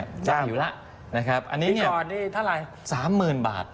อันนี้เนี่ย๓๐๐๐๐บาท